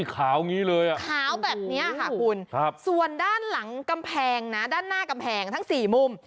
ขาวแบบนี้ค่ะคุณส่วนด้านหลังกำแพงนะด้านหน้ากำแพงทั้งสี่มุม